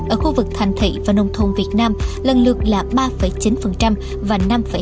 ở khu vực thành thị và nông thôn việt nam lần lượt là ba chín và năm hai